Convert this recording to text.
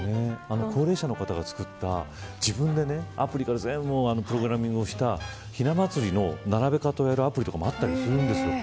高齢者の方が作った自分でアプリから全部プログラミングした、ひな祭りの並べ方をやるアプリとかもあったりするんですよ。